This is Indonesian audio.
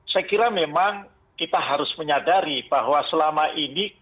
saya kira memang kita harus menyadari bahwa selama ini